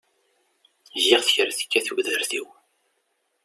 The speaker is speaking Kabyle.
Giɣ-t kra tekka tudert-iw.